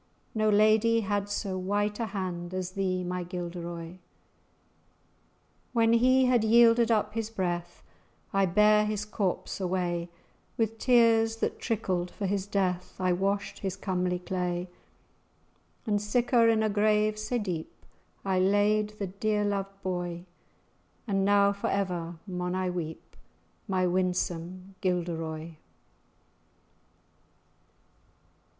No lady had so white a hand As thee, my Gilderoy! When he had yielded up his breath I bare his corpse away; With tears, that trickled for his death, I washt his comely clay; And sicker[#] in a grave sae deep I laid the dear lo'ed boy; And now for ever maun I weep, My winsome Gilderoy."